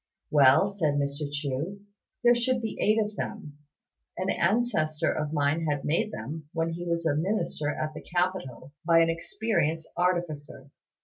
"Well," said Mr. Chu, "there should be eight of them. An ancestor of mine had them made, when he was a minister at the capital, by an experienced artificer.